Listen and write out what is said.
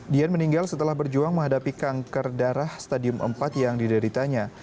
dian meninggal setelah berjuang menghadapi kanker darah stadium empat yang dideritanya